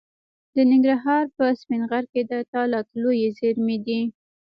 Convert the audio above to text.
د ننګرهار په سپین غر کې د تالک لویې زیرمې دي.